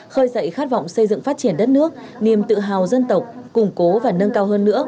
khơi dậy khát vọng xây dựng phát triển đất nước niềm tự hào dân tộc củng cố và nâng cao hơn nữa